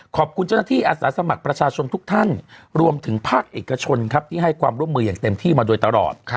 ขอบคุณเจ้าหน้าที่อาสาสมัครประชาชนทุกท่านรวมถึงภาคเอกชนครับที่ให้ความร่วมมืออย่างเต็มที่มาโดยตลอด